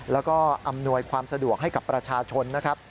แล้วก็อำนวยความสะดวกให้กับประชาชนนะครับ